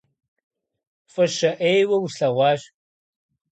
ФӀыщэ Ӏейуэ услъэгъуащ…